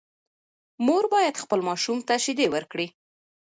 مور باید خپل ماشوم ته شیدې ورکړي.